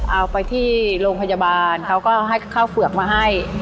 เอาไปที่โรงพยาบาลเขาก็ให้ข้าวเฝือกมาให้